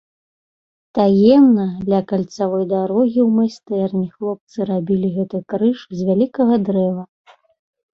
Таемна ля кальцавой дарогі ў майстэрні хлопцы рабілі гэты крыж з вялікага дрэва.